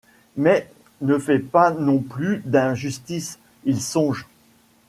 Mais ne fait pas non plus d'injustices ; ils songent